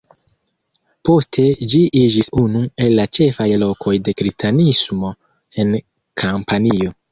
Poste ĝi iĝis unu el la ĉefaj lokoj de Kristanismo en Kampanio.